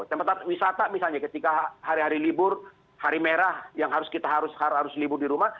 tempat tempat wisata misalnya ketika hari hari libur hari merah yang harus kita harus libur di rumah